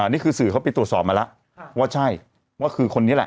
นี่คือสื่อเขาไปตรวจสอบมาแล้วว่าใช่ว่าคือคนนี้แหละ